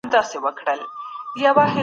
سياسي مشرانو ته د ولس ستونزي په ګوته کړئ.